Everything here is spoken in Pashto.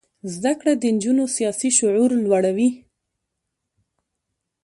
زده کړه د نجونو سیاسي شعور لوړوي.